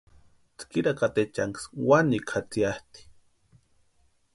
Tskirakatechanksï wanikwa jatsiatʼi.